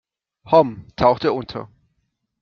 Homm tauchte unter.